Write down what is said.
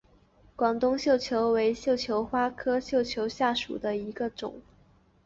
广东绣球为绣球花科绣球属下的一个种。